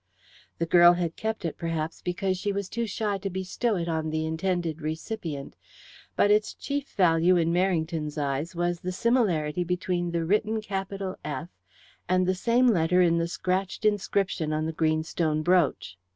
The girl had kept it, perhaps, because she was too shy to bestow it on the intended recipient, but its chief value in Merrington's eyes was the similarity between the written capital F and the same letter in the scratched inscription on the greenstone brooch.